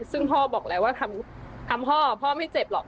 ซึ่งพ่อบอกแล้วว่าทำพ่อพ่อไม่เจ็บหรอก